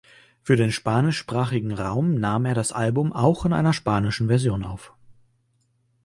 Für den spanischsprachigen Raum nahm er das Album auch in einer spanischen Version auf.